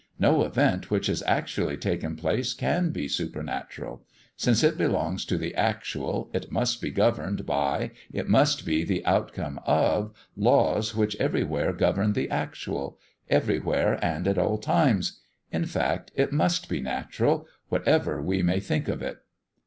No event which has actually taken place can be supernatural. Since it belongs to the actual it must be governed by, it must be the outcome of, laws which everywhere govern the actual everywhere and at all times. In fact, it must be natural, whatever we may think of it."